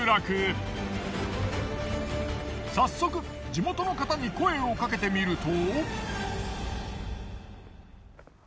早速地元の方に声をかけてみると。